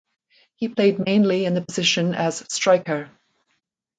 He played mainly in the position as Striker.